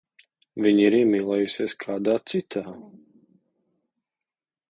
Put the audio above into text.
Viņa ir iemīlējusies kādā citā.